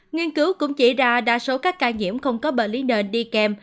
nghiên cứu cũng chỉ đa số các ca nhiễm không có bệnh lý nền đi kèm